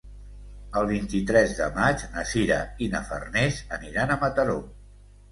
El vint-i-tres de maig na Sira i na Farners aniran a Mataró.